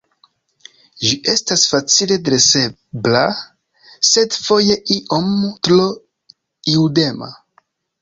Ĝi estas facile dresebla, sed foje iom tro ludema.